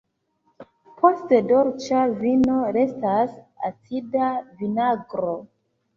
Post dolĉa vino restas acida vinagro.